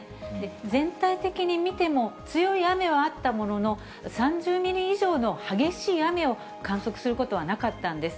全体的に見ても、強い雨はあったものの、３０ミリ以上の激しい雨を観測することはなかったんです。